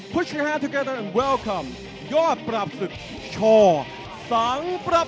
๓คู่ที่ผ่านมานั้นการันตีถึงความสนุกดูดเดือดที่แฟนมวยนั้นสัมผัสได้ครับ